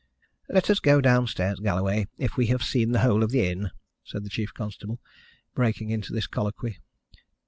"Let us go downstairs, Galloway, if we have seen the whole of the inn," said the chief constable, breaking into this colloquy.